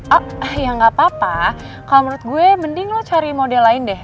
ah ya nggak apa apa kalau menurut gue mending lo cari model lain deh